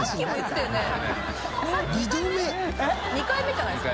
２回目じゃないですか？